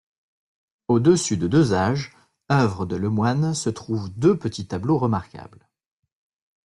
Au-dessus de deux âges, œuvre de Lemoyne, se trouvent deux petits tableaux remarquables.